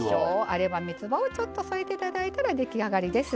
あればみつばをちょっと添えて頂いたら出来上がりです。